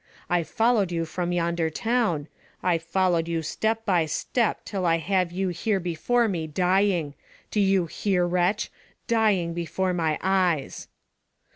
I followed you from yonder town, I followed you step by step till I have you here before me dying — do you hear, wretch — dying before my eyes.